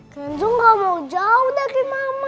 kenzo gak mau jauh dari mama